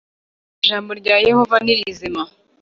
Ijambo rya Yehova ni rizima